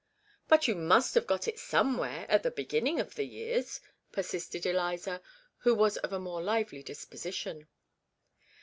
'But you must have got it somewhere at the beginning of the years,' persisted Eliza, who was of a more lively disposition.